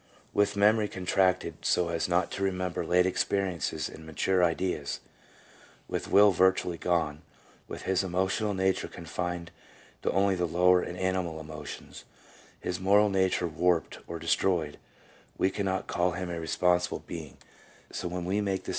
With memory contracted so as not to remember late experiences and mature ideas, with will virtually gone, with his emotional nature confined to only the lower and animal emotions, his moral nature warped or destroyed, we cannot call him a responsible being; so when we make the statement 1 W.